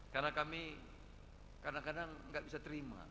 karena kami kadang kadang gak bisa terima